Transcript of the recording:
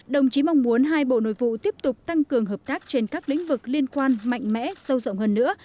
đồng chí mong muốn hai bộ nội vụ tiếp tục tăng cường hợp tác trên các lĩnh vực liên quan mạnh mẽ sâu rộng hơn nữa